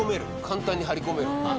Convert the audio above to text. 簡単に張り込める。